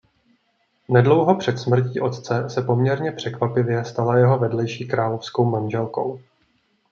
Nedlouho před smrtí otce se poměrně překvapivě stala jeho vedlejší královskou manželkou.